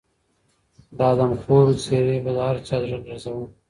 د آدمخورو څېرې به د هر چا زړه لړزاوه.